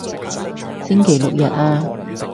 星期六日啊